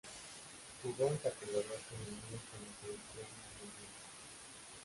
Jugó en categorías juveniles con la Selección argentina.